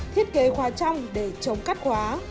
thiết kế khóa trong để chống cắt khóa